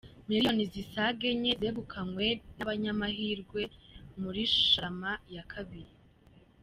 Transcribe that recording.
Miliyoni zisaga enye zegukanywe n’abanyamahirwe muri Sharama ya kabiri